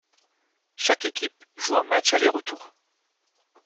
Chaque équipe joue en match aller-retour.